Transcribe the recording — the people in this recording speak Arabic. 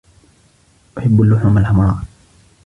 أحب اللحوم الحمراء.